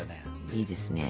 いいですね。